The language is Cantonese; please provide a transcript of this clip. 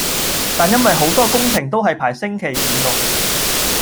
但因為好多工程都係排星期五六